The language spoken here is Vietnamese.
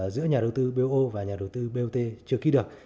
giữa nhà đầu tư bot và nhà đầu tư bot chưa ký được